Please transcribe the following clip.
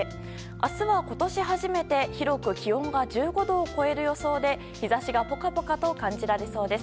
明日は今年初めて広く気温が１５度を超える予想で日差しがぽかぽかと感じられそうです。